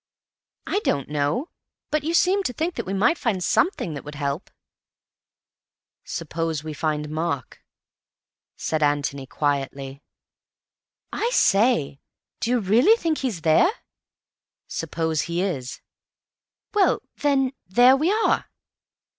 "I don't know. But you seemed to think that we might find something that would help." "Suppose we find Mark?" said Antony quietly. "I say, do you really think he's there?" "Suppose he is?" "Well, then, there we are."